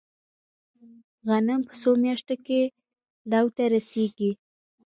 غنم په څو میاشتو کې لو ته رسیږي؟